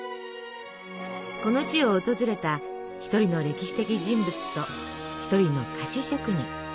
この地を訪れた一人の歴史的人物と一人の菓子職人。